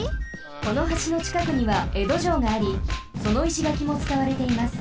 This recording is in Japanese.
この橋のちかくにはえどじょうがありその石がきもつかわれています。